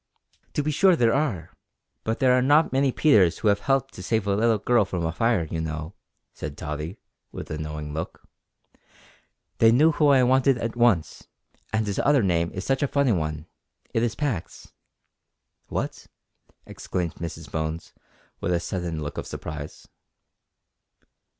"To be sure there are, but there are not many Peters who have helped to save a little girl from a fire, you know," said Tottie, with a knowing look. "They knew who I wanted at once, and his other name is such a funny one; it is Pax " "What?" exclaimed Mrs Bones, with a sudden look of surprise.